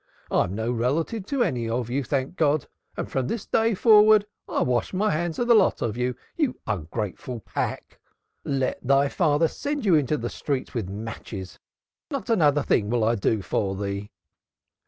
I am no relative of any of you, thank God, and from this day forwards I wash my hands of the lot of you, you ungrateful pack! Let thy father send you into the streets, with matches, not another thing will I do for thee."